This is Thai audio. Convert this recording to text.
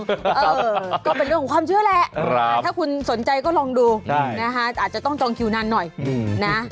เออก็เป็นเรื่องของความเชื่อแหละถ้าคุณสนใจก็ลองดูนะคะอาจจะต้องจองคิวนานหน่อยนะ